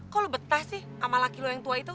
kok lo betah sih sama laki lu yang tua itu